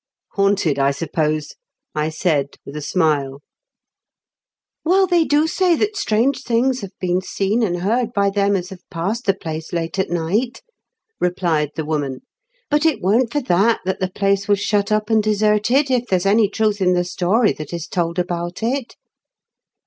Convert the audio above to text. "Haunted, I suppose?" I said, with a smile, "Well, they do say^ that strange things have been seen and heard by them as have passed the |Jaee late at night," replied the woman. ^But it weren't for that that the A mGET m A HAUNTITD HOUSE. 235 place was shut up and deserted, if there^s any truth in the story that is told about it."